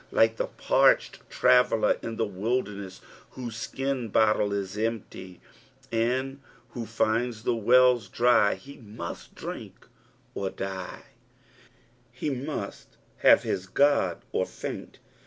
Like the parched traveller in the wilderuess, whose slun bottle is empty, and wlio llndB the wells dry, he must dnnk or die— he must bava his God or faiat.